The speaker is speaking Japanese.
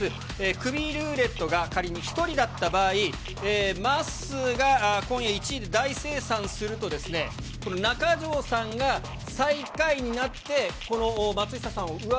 クビルーレットが仮に１人だった場合、まっすーが今夜１位で大精算すると、この中条さんが、最下位になって、なるほど。